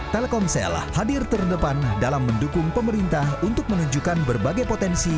telkomsel hadir terdepan dalam mendukung pemerintah untuk menunjukkan berbagai potensi